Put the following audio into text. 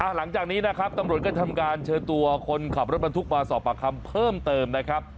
หลังจากนี้นะครับตำรวจก็ทำการเชิญตัวคนขับรถบรรทุกมาสอบปากคำเพิ่มเติมนะครับ